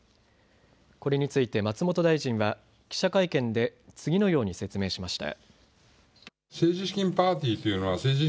これについて松本大臣は記者会見で次のように説明しました。